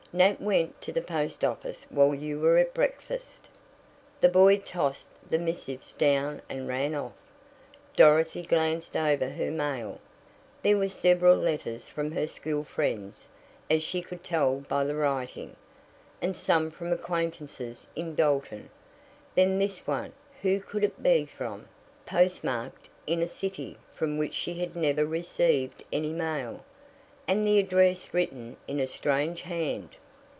"Nat went to the post office while you were at breakfast." The boy tossed the missives down and ran off. Dorothy glanced over her mail. There were several letters from her school friends, as she could tell by the writing, and some from acquaintances in Dalton. Then this one who could it be from? postmarked in a city from which she had never received any mail, and the address written in a strange hand.